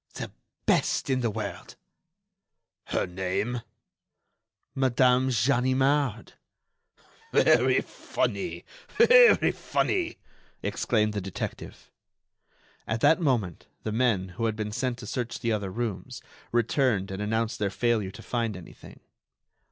"The best in the world." "Her name?" "Madame Ganimard." "Very funny! very funny!" exclaimed the detective. At that moment the men, who had been sent to search the other rooms, returned and announced their failure to find anything.